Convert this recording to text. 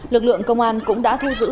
lực lượng công an cũng đã thu giữ